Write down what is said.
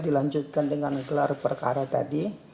dilanjutkan dengan gelar perkara tadi